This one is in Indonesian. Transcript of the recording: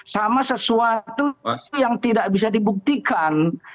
sama sesuatu yang tidak bisa dibuktikan